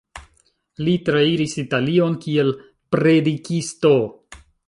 Li trairis Italion kiel predikisto.